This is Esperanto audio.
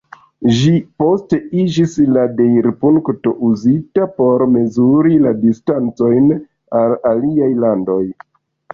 Ĝi poste iĝis la deirpunkto uzita por mezuri la distancojn al aliaj landoj.